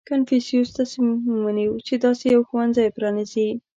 • کنفوسیوس تصمیم ونیو، چې داسې یو ښوونځی پرانېزي.